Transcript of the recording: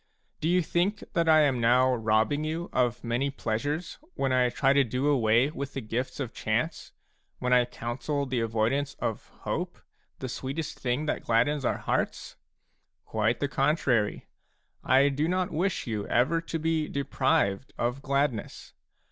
Do you think that I am now robbing you of many pleasures when I try to do away with the gifts of chance, when I counsel the avoidance of hope, the sweetest thing that gladdens our hearts ? Quite the contrary ; I do not wish you ever to be deprived of gladness.